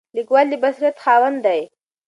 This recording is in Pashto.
لیکوال د بصیرت خاوند دی.